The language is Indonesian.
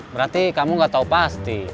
berarti kamu nggak tahu pasti